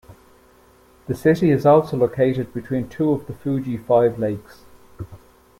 The city is also located between two of the Fuji Five Lakes.